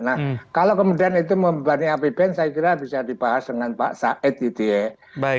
nah kalau kemudian itu membebani apbn saya kira bisa dibahas dengan pak said gitu ya